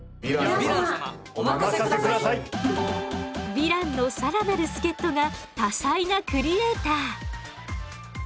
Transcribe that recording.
ヴィランの更なる助っとが多才なクリエーター。